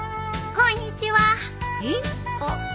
ここんにちは。